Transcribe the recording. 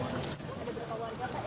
waduh banyak banget sih